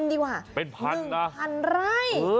๑๐๐๐ดีกว่า๑๐๐๐ไร่